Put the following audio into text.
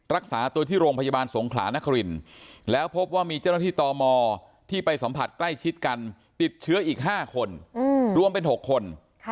รักษาตัวที่โรงพยาบาลสงขลานครินแล้วพบว่ามีเจ้าหน้าที่ตมที่ไปสัมผัสใกล้ชิดกันติดเชื้ออีก๕คนรวมเป็น๖คน